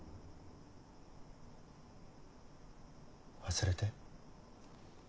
忘れて。